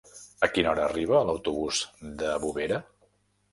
A quina hora arriba l'autobús de Bovera?